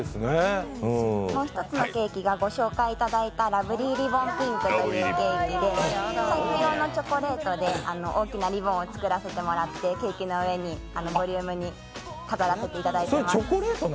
もう一つのケーキがご紹介いただいたラブリーリボンピンクというケーキで、チョコレートで大きなリボンをつくらせてもらってケーキの上に、ボリュームにこだわらせていただいています。